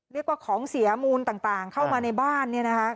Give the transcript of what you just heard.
เรียกว่าของเสียมูลต่างเข้ามาในบ้าน